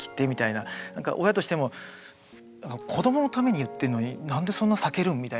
なんか親としても子どものために言ってるのになんでそんな避けるんみたいな。